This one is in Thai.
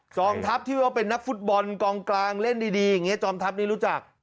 จอมทัพที่เป็นนักฟุตบอลกลางเล่นดีจอมทัพนี่รู้จัก